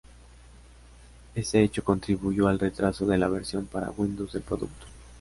Ese hecho contribuyó al retraso de la versión para Windows del producto.